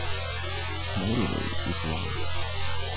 The motorway is long.